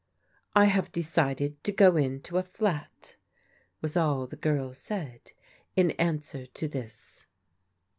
" I have decided to go into a flat," was all the girl said in answer to this.